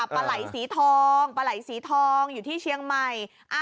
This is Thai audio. ปลาไหล่สีทองปลาไหล่สีทองอยู่ที่เชียงใหม่